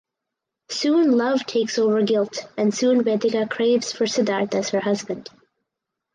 Soon love takes over guilt and soon Vedhika craves for Siddharth as her husband.